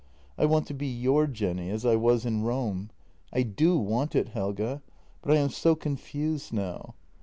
I want to be your Jenny, as I was in Rome. I do want it, Helge, but I am so confused now.